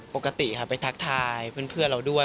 ปกติครับไปทักทายเพื่อนเราด้วย